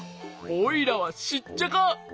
おいらはシッチャカ。